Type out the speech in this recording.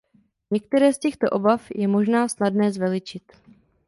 Některé z těchto obav je možná snadné zveličit.